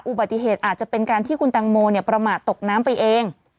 อุบัติเหตุอาจจะเป็นการที่คุณตังโมประมาทตกน้ำไปเอง